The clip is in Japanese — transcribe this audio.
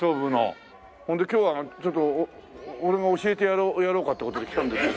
ほんで今日はちょっと俺が教えてやろうかって事で来たんですけど。